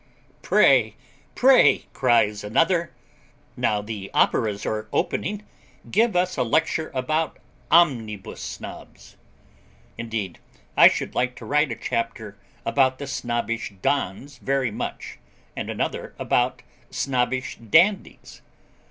'Pray, pray,' cries another, 'now the Operas are opening, give us a lecture about Omnibus Snobs.' Indeed, I should like to write a chapter about the Snobbish Dons very much, and another about the Snobbish Dandies.